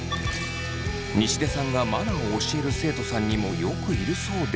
西出さんがマナーを教える生徒さんにもよくいるそうで。